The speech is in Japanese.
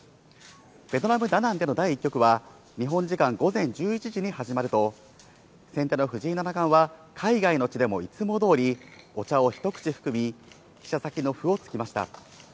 ベトナム・ダナンでの第１局は日本時間午前１１時に始まると、先手の藤井七冠は海外の地でもいつも通り、お茶をひと口含み、飛車先の歩をつきました。